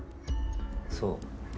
そう。